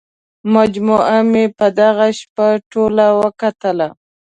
مجموعه مې په دغه شپه ټوله وکتله.